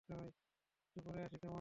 একটু পরে আসি, কেমন?